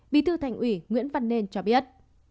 bí thư thành ủy nguyễn văn nên cho biết